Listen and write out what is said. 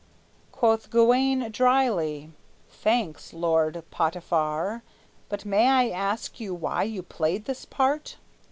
Quoth Gawayne drily, "Thanks, Lord Potiphar! But may I ask you why you played this part?"